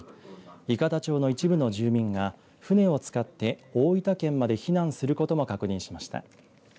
伊方町の一部の住民が船を使って大分県まで避難することも確認しました。